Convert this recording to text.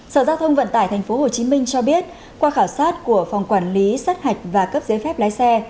sở giao thông vận tải tp hcm cho biết qua khảo sát của phòng quản lý sát hạch và cấp giấy phép lái xe